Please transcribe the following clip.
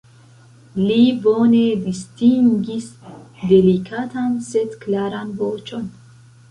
Li bone distingis delikatan, sed klaran voĉon.